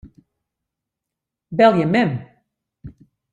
Belje mem.